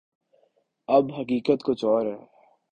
اب حقیقت کچھ اور ہے۔